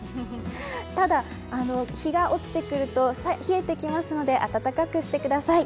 ただ、日が落ちてくると冷えてきますので暖かくしてください。